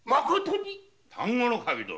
丹後守殿。